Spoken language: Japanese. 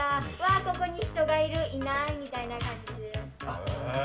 ここに人がいるいないみたいな。